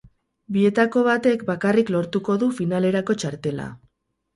Bietako batek bakarrik lortuko du finalerako txartela.